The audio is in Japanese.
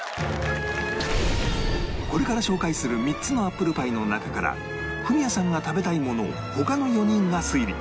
これから紹介する３つのアップルパイの中からフミヤさんが食べたいものを他の４人が推理